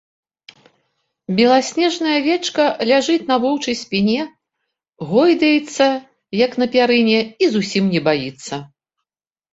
Беласнежная авечка ляжыць на воўчай спіне, гойдаецца, як на пярыне, і зусім не баіцца.